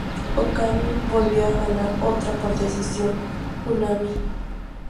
Okami volvió a ganar otra por decisión unánime.